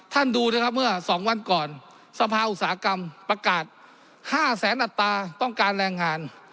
ดูนะครับเมื่อ๒วันก่อนสภาอุตสาหกรรมประกาศ๕แสนอัตราต้องการแรงงาน